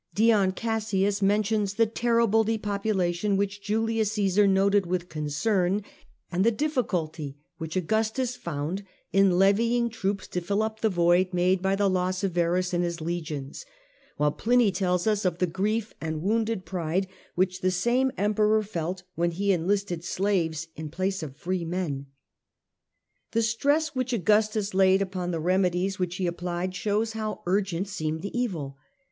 Dion Cassius mentions the Dion 'terrible depopulation^ which Julius Caesar Cassius, noted with concern, and the difficulty which Augustus found in levying troops to fill up the void made by the loss of Varus and his legions ; while Pliny tells us of the grief and wounded pride which the same Emperor felt when he enlisted slaves in place of free men. The stress which Augustus laid upon the remedies which he applied shows how urgent seemed the evil.